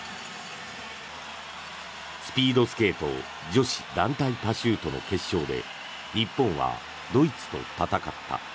スピードスケート女子団体パシュートの決勝で日本はドイツと戦った。